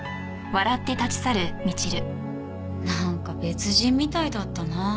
なんか別人みたいだったな。